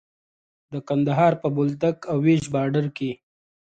د کندهار په بولدک او ويش باډر کې.